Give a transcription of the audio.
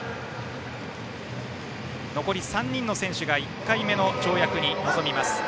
残り３人の選手が１回目の跳躍に臨みます。